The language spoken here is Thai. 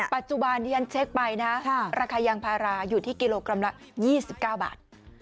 ปัจจุบันที่ฉันเช็คไปนะราคายางพาราอยู่ที่กิโลกรัมละ๒๙บาท